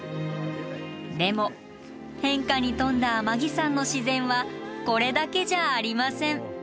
でも変化に富んだ天城山の自然はこれだけじゃありません。